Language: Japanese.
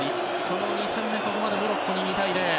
この２戦目でもここまでモロッコに２対０。